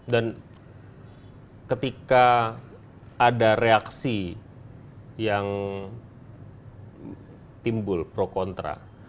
dan ketika ada reaksi yang timbul pro kontra